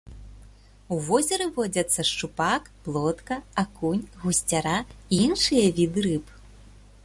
У возеры водзяцца шчупак, плотка, акунь, гусцяра і іншыя віды рыб.